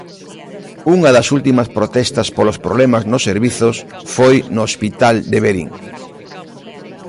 Unha das últimas protestas polos problemas nos servizos foi no Hospital de Verín.